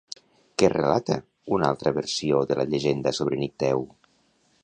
Què relata una altra versió de la llegenda sobre Nicteu?